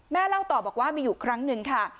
เล่าต่อบอกว่ามีอยู่ครั้งหนึ่งค่ะ